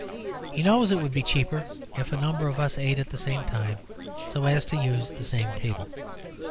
He knows it would be cheaper if a number of us ate at the same time, so as to use the same table.